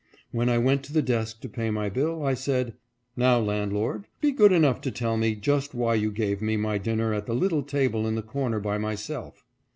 When I went to the desk to pay my bill I said, "Now, landlord, be good enough to tell me just why you gave me my dinner at the little table in the corner by myself."